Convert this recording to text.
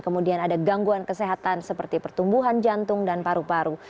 kemudian ada gangguan kesehatan seperti pertumbuhan jantung dan paru paru